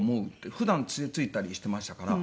普段杖ついたりしてましたから。